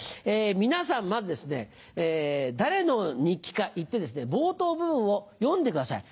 皆さんまず誰の日記か言って冒頭部分を読んでください。